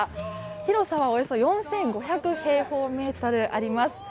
広さはおよそ４５００平方メートル在ります。